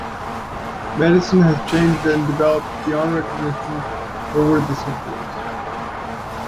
Medicine has changed and developed beyond recognition over the centuries.